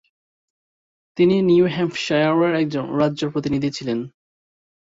তিনি নিউ হ্যাম্পশায়ারের একজন রাজ্য প্রতিনিধি ছিলেন।